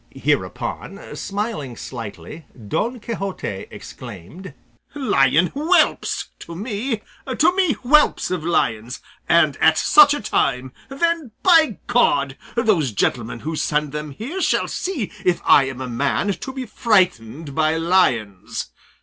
Hereupon, smiling slightly, Don Quixote exclaimed, "Lion whelps to me! to me whelps of lions, and at such a time! Then, by God! those gentlemen who send them here shall see if I am a man to be frightened by lions.